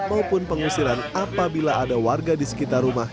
maupun pengusiran apabila ada warga di sekitar rumah